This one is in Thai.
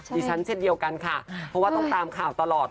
ดิฉันเช่นเดียวกันค่ะเพราะว่าต้องตามข่าวตลอด